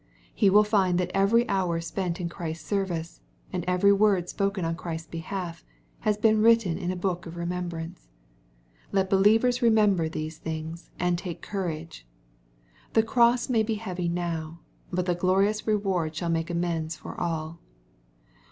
He will find that every hour spent in Christ's service, and every word spoken on Christ's behalf, has been written in a book of remem brance. Let believers remember these things and take courage. — The cross may be heavy now, but the glorious reward shall make amends for all.